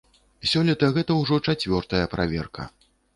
Сёлета гэта ўжо чацвёртая праверка.